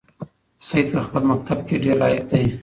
سعید په خپل مکتب کې ډېر لایق دی.